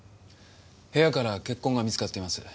部屋から血痕が見つかっています。